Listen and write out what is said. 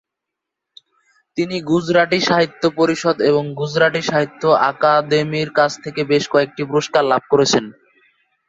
তিনি গুজরাটি সাহিত্য পরিষদ এবং গুজরাটি সাহিত্য আকাদেমির কাছ থেকে বেশ কয়েকটি পুরস্কার লাভ করেছেন।